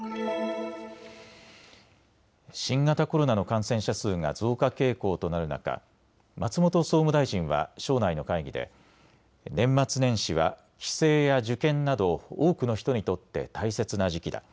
新型コロナの感染者数が増加傾向となる中、松本総務大臣は省内の会議で年末年始は帰省や受験など多くの人にとって大切な時期だ。